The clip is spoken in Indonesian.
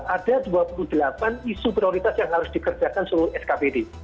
ada dua puluh delapan isu prioritas yang harus dikerjakan seluruh skpd